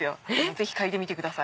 ぜひ嗅いでみてください。